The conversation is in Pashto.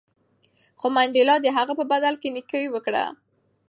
خو منډېلا د هغه په بدل کې نېکي وکړه.